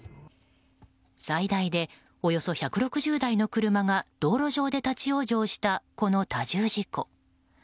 最大でおよそ１６０台の車が道路上で立ち往生したこの多重事故。